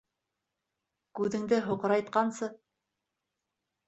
Күҙеңде һуҡырайтҡансы...